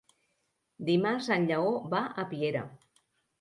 Dimarts en Lleó va a Piera.